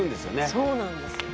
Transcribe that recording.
そうなんですよね。